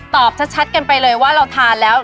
ตอบชัดกันไปเลยว่าเราทานแล้ว